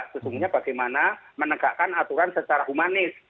sesungguhnya bagaimana menegakkan aturan secara humanis